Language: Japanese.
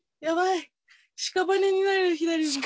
やばい。